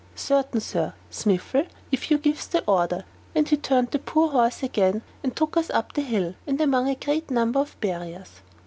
"Certain, Sir, Smiffle, if you gives the order;" and he turned the poor horse again, and took us up the hill, and among a great number of barriers.